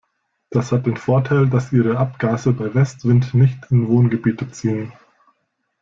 Das hat den Vorteil, dass ihre Abgase bei Westwind nicht in Wohngebiete ziehen.